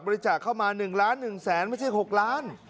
เข้ามา๑ล้าน๑แสนไม่ใช่๖ล้าน